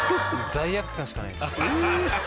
罪悪感しかないです。